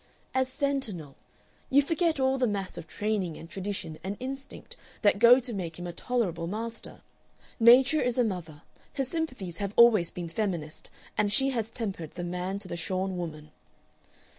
"As sentinel. You forget all the mass of training and tradition and instinct that go to make him a tolerable master. Nature is a mother; her sympathies have always been feminist, and she has tempered the man to the shorn woman."